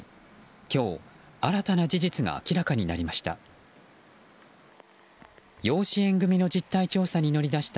今日、新たな事実が明らかになりました。